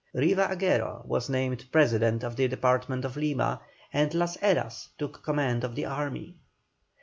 Riva Aguero was named President of the department of Lima, and Las Heras took command of the army.